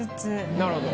なるほど。